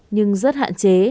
nhưng rất hạn chế